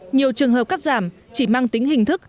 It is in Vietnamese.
nhiều trường hợp cắt giảm chỉ mang tính hình